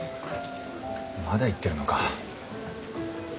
まだ行ってるのか？